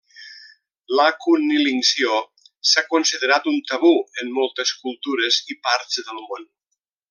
La cunnilinció s'ha considerat un tabú en moltes cultures i parts del món.